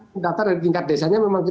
mendaftar dari tingkat desanya